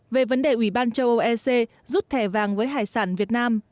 về vấn đề ủy ban châu âu ec rút thẻ vàng với hải sản việt nam